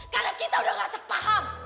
karena kita udah gak terpaham